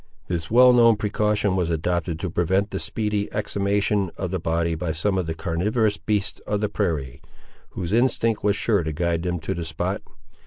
This well known precaution was adopted to prevent the speedy exhumation of the body by some of the carnivorous beasts of the prairie, whose instinct was sure to guide them to the spot.